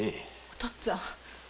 お父っつぁん。